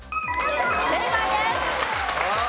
正解です！